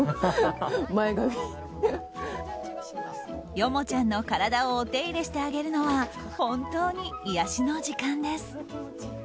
ヨモちゃんの体をお手入れしてあげるのは本当に癒やしの時間です。